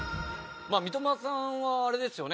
三笘さんはあれですよね